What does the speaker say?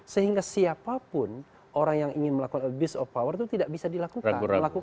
sehingga siapapun orang yang ingin melakukan abuse of power itu tidak bisa dilakukan